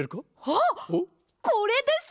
あっこれですね！